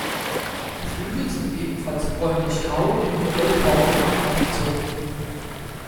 Die Flügel sind ebenfalls bräunlich-grau und mit gelbbraunen Adern durchzogen.